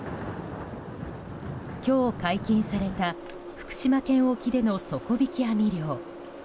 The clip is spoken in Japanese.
今日解禁された福島県沖での底引き網漁。